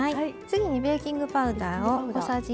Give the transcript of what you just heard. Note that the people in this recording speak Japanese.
次にベーキングパウダーを小さじ１。